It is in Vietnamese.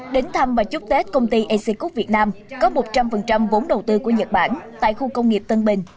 đến thăm và chúc tết công ty ecq việt nam có một trăm linh vốn đầu tư của nhật bản tại khu công nghiệp tân bình